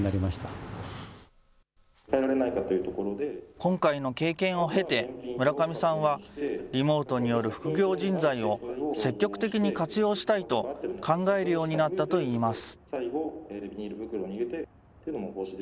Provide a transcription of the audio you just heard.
今回の経験を経て、村上さんは、リモートによる副業人材を積極的に活用したいと考えるようになったといいます。